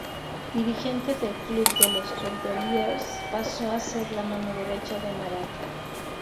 Dirigente del Club de los Cordeliers, pasó a ser la mano derecha de Marat.